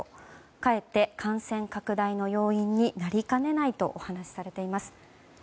かえって感染拡大の要因になりかねないとお話しされています。